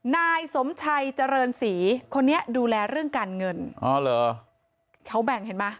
นายสมชัยเจริญศรีคนนี้ดูแลเรื่องการเงินอ๋อเหรอเขาแบ่งเห็นไหม